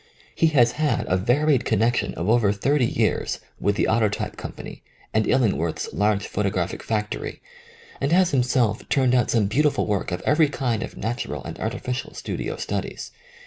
He has had a varied connection of over thirty years with the Autotjrpe Com pany and lUingworth's large photographic factory, and has himself turned out some beautiful work of every kind of natural and artificial studio studies.